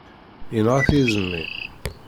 Yenɣa-t yiẓmi.